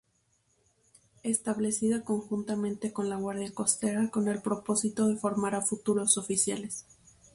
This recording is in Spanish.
Establecida conjuntamente con la guardia costera con el propósito de formar a futuros oficiales.